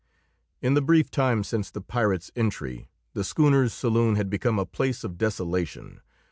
In the brief time since the pirates' entry the schooner's saloon had become a place of desolation.